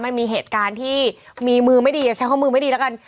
มันมีเหตุการณ์ที่มีมือไม่ดีอย่าใช้ข้อมือไม่ดีแล้วกัน